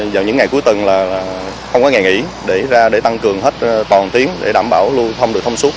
vào những ngày cuối tuần là không có ngày nghỉ để tăng cường hết toàn tiếng để đảm bảo lưu thông được thông suốt